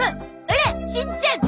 オラしんちゃん！